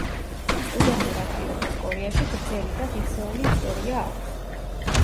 სტუდენტურ აქტივობას კორეაში გრძელი და ღირსეული ისტორია აქვს.